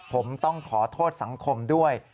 ผมต้องขอโทษสังคมด้วย